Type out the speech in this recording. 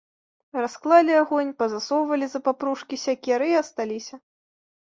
Расклалі агонь, пазасоўвалі за папружкі сякеры і асталіся.